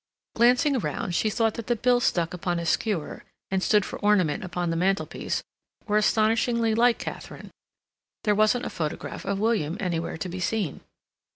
Glancing round, she thought that the bills stuck upon a skewer and stood for ornament upon the mantelpiece were astonishingly like Katharine, There wasn't a photograph of William anywhere to be seen.